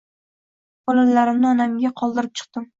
Bolalarimni onamga qoldirib chiqdim